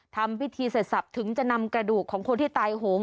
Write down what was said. ทำพิธีเสร็จสับถึงจะนำกระดูกของคนที่ตายโหง